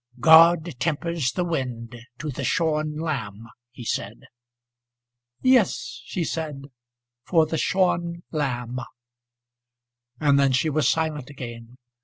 "God tempers the wind to the shorn lamb," he said. "Yes," she said, "for the shorn lamb " And then she was silent again.